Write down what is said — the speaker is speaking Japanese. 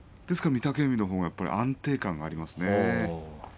ですから御嶽海のほうが安定感がありますね。